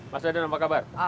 mas dada apa kabar